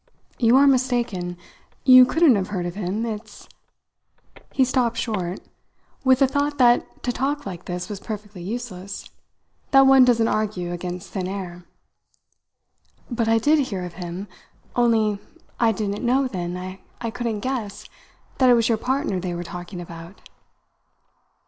"You are mistaken. You couldn't have heard of him, it's " He stopped short, with the thought that to talk like this was perfectly useless; that one doesn't argue against thin air. "But I did hear of him; only I didn't know then, I couldn't guess, that it was your partner they were talking about."